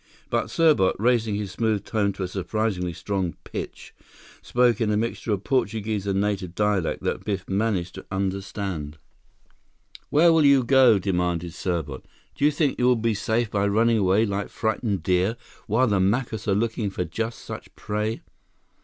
But Serbot, raising his smooth tone to a surprisingly strong pitch, spoke in a mixture of Portuguese and native dialect that Biff managed to understand. "Where will you go?" demanded Serbot. "Do you think you will be safe by running away like frightened deer, while the Macus are looking for just such prey?